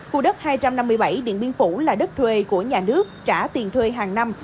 khu đất hai trăm năm mươi bảy điện biên phủ là đất thuê của nhà nước trả tiền thuê hàng năm